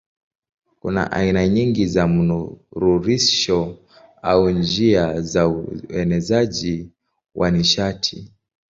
Kuna aina nyingi za mnururisho au njia za uenezaji wa nishati.